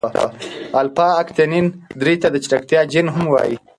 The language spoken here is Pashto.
الفا اکتینین درې ته د چټکتیا جین هم وايي.